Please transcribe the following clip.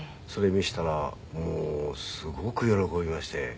それ見せたらもうすごく喜びまして。